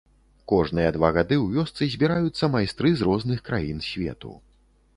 Кожныя два гады ў вёсцы збіраюцца майстры з розных краін свету.